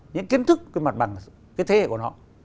những kiến thức cái mặt bằng cái thế hệ của nó